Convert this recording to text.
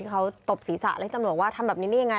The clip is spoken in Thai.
เขาตบศีรษะแล้วให้ตำรวจว่าทำแบบนี้ได้ยังไง